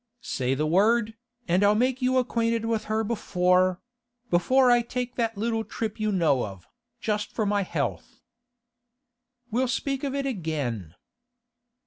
Say the word, and I'll make you acquainted with her before—before I take that little trip you know of, just for my health.' 'We'll speak of it again.